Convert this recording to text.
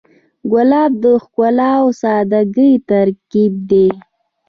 ګلاب د ښکلا او سادګۍ ترکیب دی.